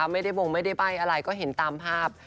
ไม่ได้บงไม่ได้ใบ้อะไรก็เห็นตามภาพ